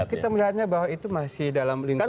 kita melihatnya bahwa itu masih dalam lingkungan